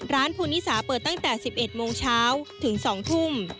ร้านภูนิษฌาเปิดตั้งแต่๑๑โมงเช้าที่ถึง๒ทุ่ม